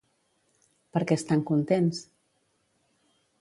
Per què estan contents?